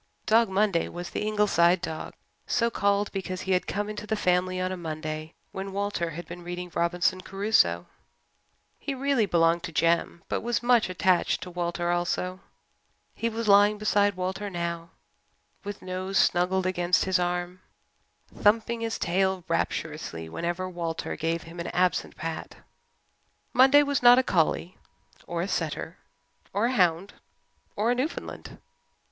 Dog Monday was the Ingleside dog, so called because he had come into the family on a Monday when Walter had been reading Robinson Crusoe. He really belonged to Jem but was much attached to Walter also. He was lying beside Walter now with nose snuggled against his arm, thumping his tail rapturously whenever Walter gave him an absent pat. Monday was not a collie or a setter or a hound or a Newfoundland.